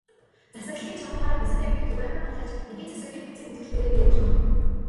Засаглалын чадавхаараа бусад аймгийг Төв аймаг манлайлж, эдийн засаг, дэд бүтцийн үзүүлэлтээрээ дээгүүрт ордог.